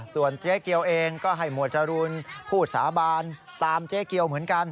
ส่วนเจ๊เกียวเองก็ให้หมวดจรูนพูดสาบานตามเจ๊เกียวเหมือนกัน